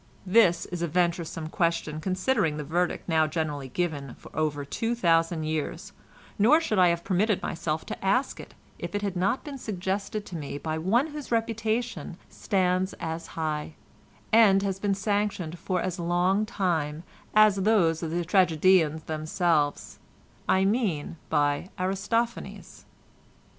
"This is a venturesome question considering the verdict now generally given for over two thousand years, nor should I have permitted myself to ask it if it had not been suggested to me by one whose reputation stands as high, and has been sanctioned for as long time as those of the tragedians themselves, I mean by Aristophanes.